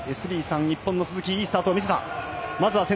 日本の鈴木いいスタートを見せた。